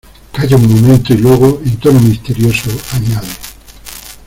calla un momento y luego, en tono misterioso , añade: